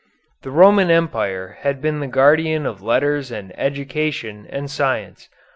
The Roman Empire had been the guardian of letters and education and science.